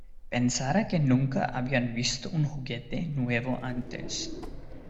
Pensará que nunca habían visto un juguete nuevo antes.